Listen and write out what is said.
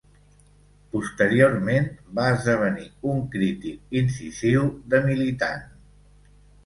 Posteriorment, va esdevenir un crític incisiu de Militant.